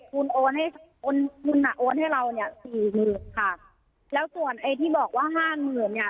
คุณโอนให้โอนคุณอ่ะโอนให้เราเนี่ยสี่หมื่นค่ะแล้วส่วนไอ้ที่บอกว่าห้าหมื่นเนี่ย